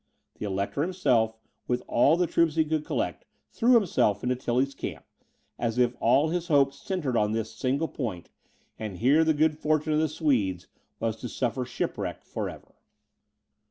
The Elector himself, with all the troops he could collect, threw himself into Tilly's camp, as if all his hopes centred on this single point, and here the good fortune of the Swedes was to suffer shipwreck for ever.